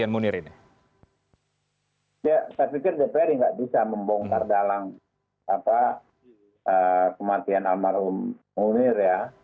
saya pikir dpr tidak bisa membongkar dalang kematian almarhum munir ya